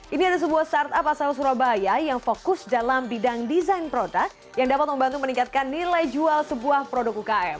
ini ada sebuah startup asal surabaya yang fokus dalam bidang desain produk yang dapat membantu meningkatkan nilai jual sebuah produk ukm